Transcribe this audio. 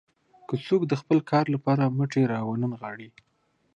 که څوک د خپل کار لپاره مټې راونه نغاړي.